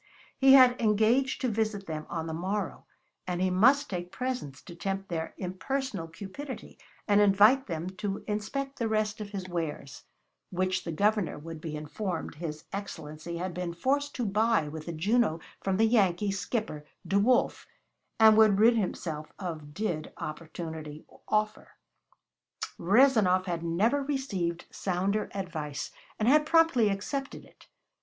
He had engaged to visit them on the morrow, and he must take presents to tempt their impersonal cupidity, and invite them to inspect the rest of his wares which the Governor would be informed his Excellency had been forced to buy with the Juno from the Yankee skipper, D'Wolf, and would rid himself of did opportunity offer. Rezanov had never received sounder advice, and had promptly accepted it.